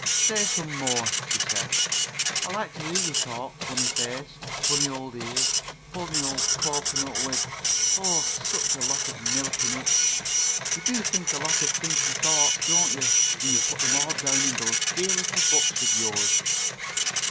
"Say some more," she said, "I like to hear you talk, Funnyface. Funny old ears. Funny old cocoanut with, oh, such a lot of milk in it. You do think a lot of thinky thoughts, don't you. And you put them all down in those dear little books of yours."